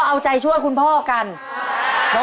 เอาใจช่วยคุณพ่อกัน